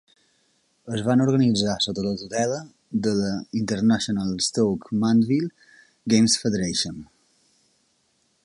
Es van organitzar sota la tutela de la International Stoke Mandeville Games Federation.